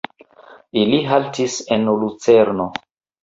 Ili haltis en Lucerno.